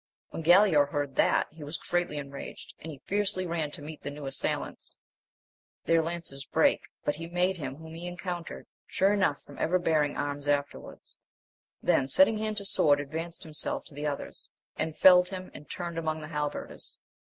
When Galaor heard that, he was greatly enraged, and he fiercely ran to fmeet the new assailants ; their lances brake, but he made him whom he encountered sure enough from ever bearing arms afterwards ; then setting hand to sword advanced himself to the other, and felled him, and turned among the halberders.